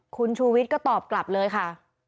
คุณชูวิทย์ก็ตอบกลับเลยค่ะ